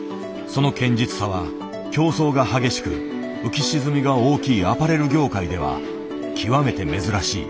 その堅実さは競争が激しく浮き沈みが大きいアパレル業界では極めて珍しい。